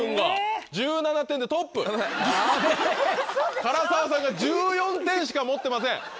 唐沢さんが１４点しか持ってません。